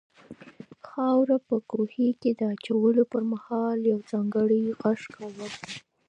خاوره په کوهي کې د اچولو پر مهال یو ځانګړی غږ کاوه.